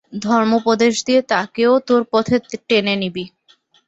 ধর্মোপদেশ দিয়ে তাকেও তোর পথে টেনে নিবি।